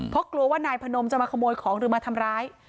เพราะกลัวว่านายพนมจะมาขโมยของหรือมาทำร้าย